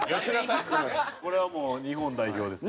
これはもう日本代表ですね。